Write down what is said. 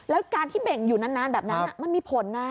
แล้วการที่เบ่งอยู่นานแบบนั้นมันมีผลนะ